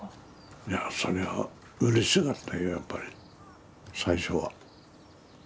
いやそれはうれしかったよやっぱり最初は。